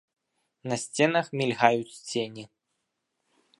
На сценах мільгаюць цені.